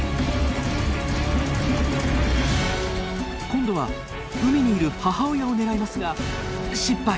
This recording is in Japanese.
今度は海にいる母親を狙いますが失敗。